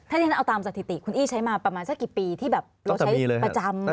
ถ้าที่ฉันเอาตามสถิติคุณอี้ใช้มาประมาณสักกี่ปีที่แบบเราใช้ประจำ